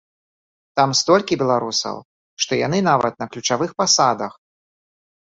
Там столькі беларусаў, што яны нават на ключавых пасадах!